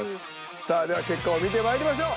さあでは結果を見てまいりましょう。